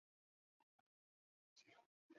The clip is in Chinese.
他也撤退了。